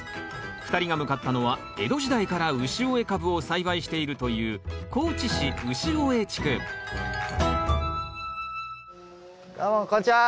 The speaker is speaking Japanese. ２人が向かったのは江戸時代からウシオエカブを栽培しているという高知市潮江地区どうもこんにちは。